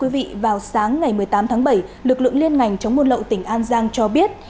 vào sáng ngày một mươi tám tháng bảy lực lượng liên ngành chống buôn lậu tỉnh an giang cho biết